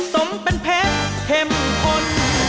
สมเป็นเพชรเข้มข้น